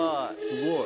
すごい。